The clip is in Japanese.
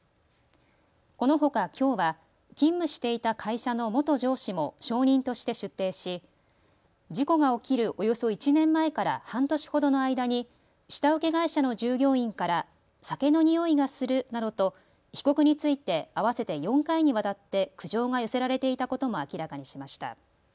このほか、きょうは勤務していた会社の元上司も証人として出廷し事故が起きるおよそ１年前から半年ほどの間に下請け会社の従業員から酒のにおいがするなどと被告について合わせて４回にわたって苦情が寄せられていたことも明らかにしました。